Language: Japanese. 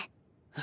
え